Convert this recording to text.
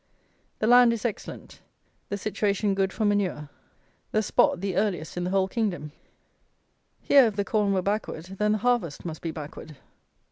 The land is excellent. The situation good for manure. The spot the earliest in the whole kingdom. Here, if the corn were backward, then the harvest must be backward.